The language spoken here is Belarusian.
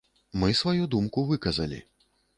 Мы сваю думку выказалі.